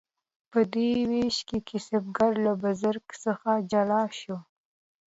په دې ویش کې کسبګر له بزګر څخه جلا شو.